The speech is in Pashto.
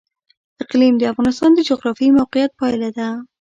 اقلیم د افغانستان د جغرافیایي موقیعت پایله ده.